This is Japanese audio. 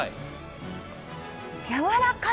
やわらかい？